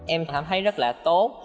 em cảm thấy rất là tốt